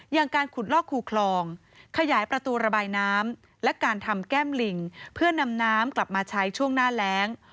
อย่างการขุดลอกคูคลองขยายประตูระบายน้ำและการทำแก้มลิงเพื่อนำน้ำกลับมาใช้ช่วงหน้าแรง